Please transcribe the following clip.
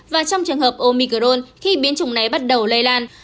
và trong trường hợp omicron khi biến chủng này bắt đầu lây lan